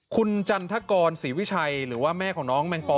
คุณจันทกรศรีวิชัยหรือว่าแม่ของน้องแมงปอ